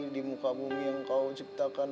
di muka bumi yang kau ciptakan